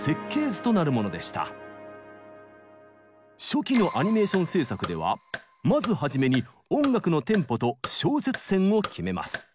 初期のアニメーション制作ではまずはじめに音楽のテンポと小節線を決めます。